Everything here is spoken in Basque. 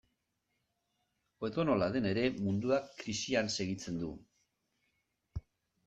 Edonola den ere, munduak krisian segitzen du.